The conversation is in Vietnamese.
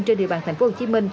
trên địa bàn tp hcm